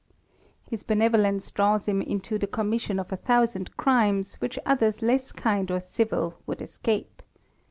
His benevolence draws him into the commission of a thousand crimes, which others less kind or civil would escape.